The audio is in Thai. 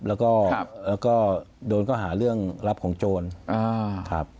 แล้วก็โดนก็หาเรื่องรับของโจรครับ